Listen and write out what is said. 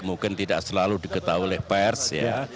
mungkin tidak selalu diketahui oleh pers ya